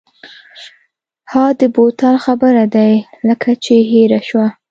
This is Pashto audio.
ها د بوتل خبره دې لکه چې هېره شوه.